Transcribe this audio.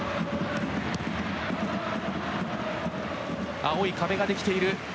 青い壁ができている。